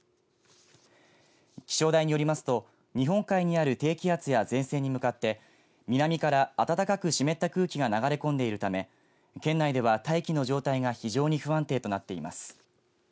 気象台によりますと日本海にある低気圧や前線に向かって南から暖かく湿った空気が流れ込んでいるため県内では大気の状態が非常に不安定となっています。